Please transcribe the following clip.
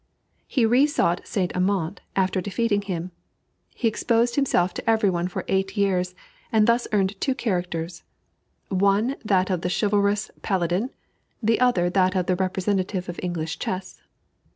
He resought St. Amant after defeating him, he exposed himself to every one for eight years, and thus earned two characters, one that of the chivalrous paladin, the other that of the representative of English chess.